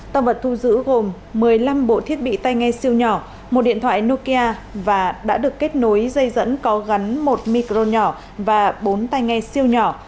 tăng vật thu giữ gồm một mươi năm bộ thiết bị tay nghe siêu nhỏ một điện thoại nokia và đã được kết nối dây dẫn có gắn một micron nhỏ và bốn tay nghe siêu nhỏ